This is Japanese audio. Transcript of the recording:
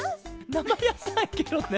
なまやさいケロね！